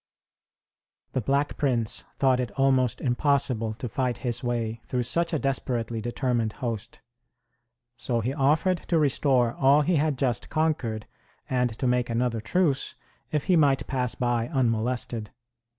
The Black Prince thought it almost impossible to fight his way through such a desperately determined host. So he offered to restore all he had just conquered and to make another truce, if he might pass by unmolested.